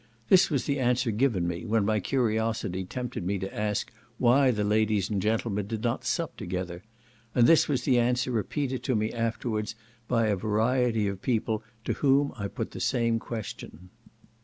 This was the answer given me, when my curiosity tempted me to ask why the ladies and gentlemen did not sup together; and this was the answer repeated to me afterwards by a variety of people to whom I put the same question.